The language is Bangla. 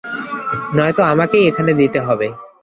নয়তো আমাকেই এখানে দিতে হবে।